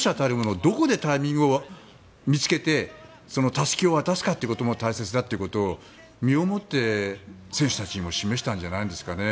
どこでタイミングを見つけてたすきを渡すかということも大切かということを身を持って選手たちに示したんじゃないですかね。